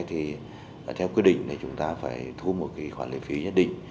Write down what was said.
thì theo quyết định thì chúng ta phải thu một cái khoản lấy phí nhất định